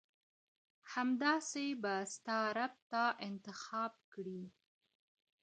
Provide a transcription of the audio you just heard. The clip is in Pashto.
همداسي به ستا رب تا انتخاب کړي.